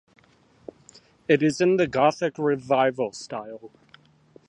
It is in the Gothic Revival style.